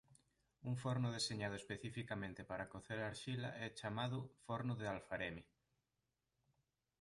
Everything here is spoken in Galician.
Un forno deseñado especificamente para cocer arxila é chamado forno de alfareme.